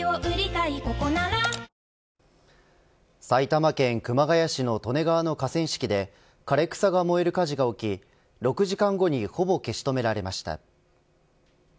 埼玉県熊谷市の利根川の河川敷で枯れ草が燃える火事が起き６時間後にほぼ消し止められました。